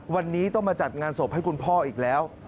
วันนี้ต้องมาจัดงานศพให้คุณพ่ออีกแล้ว